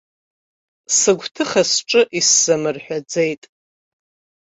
Сыгәҭыха сҿы исзамырҳәаӡеит!